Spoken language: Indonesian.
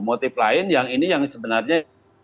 motif lain yang ini yang sebenarnya